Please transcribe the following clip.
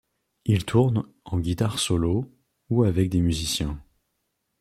Il tourne en guitare solo ou avec des musiciens.